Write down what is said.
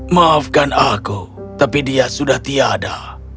maafkan aku tapi dia sudah tiada